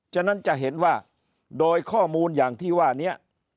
ฉะนั้นจะเห็นว่าโดยข้อมูลอย่างที่ว่านี้